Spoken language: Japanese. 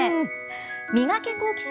ミガケ、好奇心！